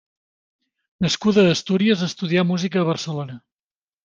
Nascuda a Astúries, estudià música a Barcelona.